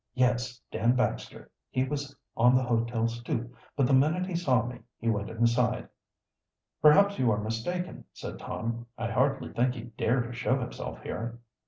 Yes, Dan Baxter. He was on the hotel stoop, but the minute he saw me he went inside." "Perhaps you are mistaken," said Tom. "I hardly think he'd dare to show himself here."